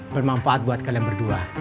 bermanfaat buat kalian berdua